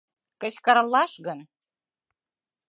«Кычкыралаш гын?